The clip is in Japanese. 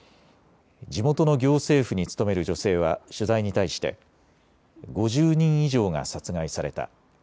地元の行政府に勤める女性は取材に対して５０人以上が殺害された。